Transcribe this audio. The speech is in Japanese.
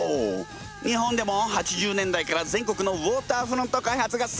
日本でも８０年代から全国のウォーターフロント開発がさかんに！